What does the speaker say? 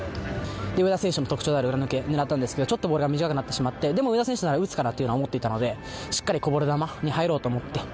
上田選手の特徴である裏抜けで狙ったんですがボールが短くなってしまってでも上田選手ならしっかり打つかなと思っていたのでしっかりこぼれ球に入ろうと思って。